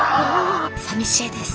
さみしいです。